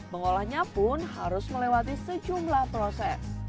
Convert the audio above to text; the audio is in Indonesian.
mengolahnya pun harus melewati sejumlah proses